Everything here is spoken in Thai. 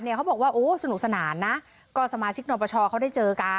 คุณสุลินบอกว่ามีความผูกพันกับคุณนักศิลป์ทำให้ดีใจมาก